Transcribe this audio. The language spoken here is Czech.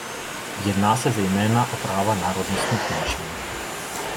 Jedná se zejména o práva národnostních menšin.